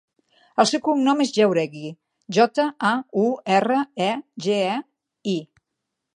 El seu cognom és Jauregi: jota, a, u, erra, e, ge, i.